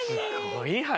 すごい話。